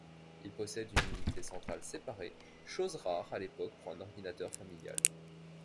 Il possède une unité centrale séparée, chose rare à l'époque pour un ordinateur familial.